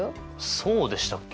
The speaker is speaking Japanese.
そうでしたっけ？